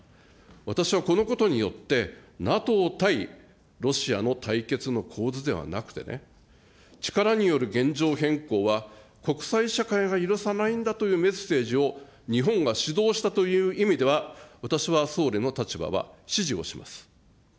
私はこのことによって、ＮＡＴＯ対ロシアの対決の構図ではなくてね、力による現状変更は、国際社会が許さないんだというメッセージを日本が主導したという意味では、私は総理の立場は支持をします。